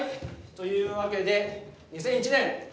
というわけで２００１年８月１０日。